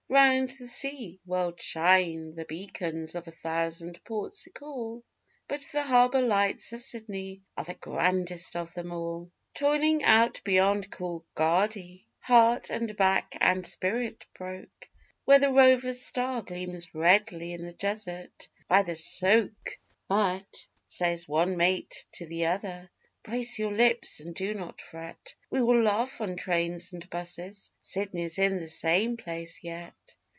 Round the sea world shine the beacons of a thousand ports o' call, But the harbour lights of Sydney are the grandest of them all! Toiling out beyond Coolgardie heart and back and spirit broke, Where the Rover's Star gleams redly in the desert by the 'soak' But says one mate to the other, 'Brace your lip and do not fret, We will laugh on trains and 'buses Sydney's in the same place yet.